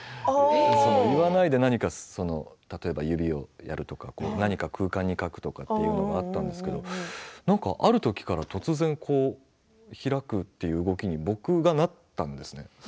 言わないで何か指をやるとか何か空間に書くとかプライドがあったんですけれどあるときから開くという動きに僕はなったんですね。